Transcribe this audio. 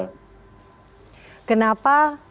kenapa kemudian sudah terjadi